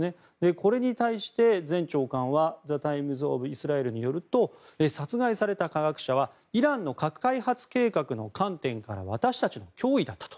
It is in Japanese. これに対して前長官はザ・タイムズ・オブ・イスラエルによると殺害された科学者はイランの核開発計画の観点から私たちの脅威だったと。